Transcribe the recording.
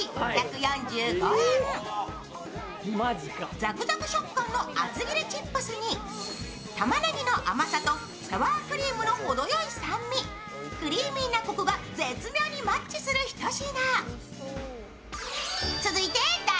ざくざく食感の厚切りチップスにたまねぎの甘さとサワークリームのほどよい酸味クリーミーなコクが絶妙にマッチするひと品。